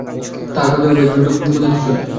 তাঁহার কথাও বেশ দ্রুত গতিতে চলে।